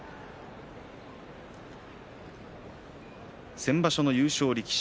先場所の優勝力士